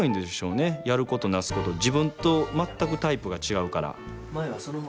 やることなすこと自分と全くタイプが違うから。